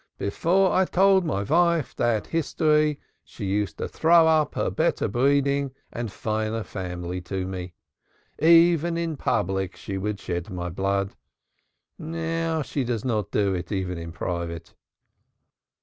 Before I told Soorka that history she used to throw up her better breeding and finer family to me. Even in public she would shed my blood. Now she does not do it even in private."